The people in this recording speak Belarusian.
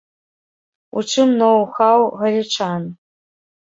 У чым ноў-хаў галічан?